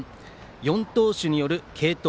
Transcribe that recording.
４投手による継投。